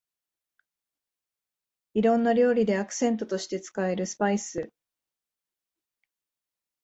いろんな料理でアクセントとして使えるスパイス